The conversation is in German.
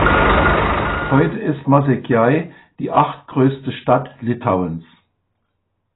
Heute ist Mažeikiai die achtgrößte Stadt Litauens.